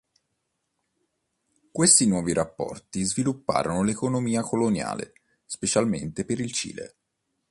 Questi nuovi rapporti svilupparono l'economia coloniale, specialmente per il Cile.